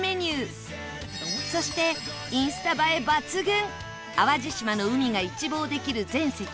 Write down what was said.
そしてインスタ映え抜群淡路島の海が一望できる全席